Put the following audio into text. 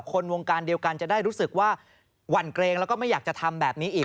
คนวงการเดียวกันจะได้รู้สึกว่าหวั่นเกรงแล้วก็ไม่อยากจะทำแบบนี้อีก